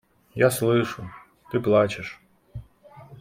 Я слышу… Ты плачешь.